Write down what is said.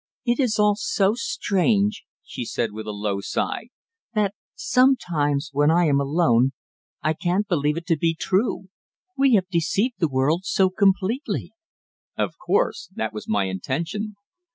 "It is all so strange," she said with a low sigh, "that sometimes, when I am alone, I can't believe it to be true. We have deceived the world so completely." "Of course. That was my intention."